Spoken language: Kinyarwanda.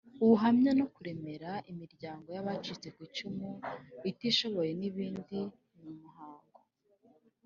ubuhamya no kuremera imiryango y abacitse ku icumu itishoboye n ibindi Ni umuhango